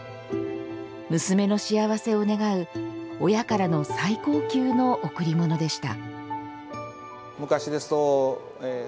娘の幸せを願う親からの最高級の贈り物でした。